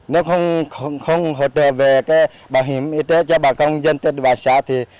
nếu không hỗ trợ về bảo hiểm y tế cho bà con dân tên bà xã